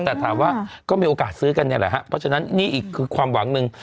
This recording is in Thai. แต่ถามว่าก็มีโอกาสซื้อกันเนี่ยแหละครับเพราะฉะนั้นนี่อีกคือความหวังหนึ่ง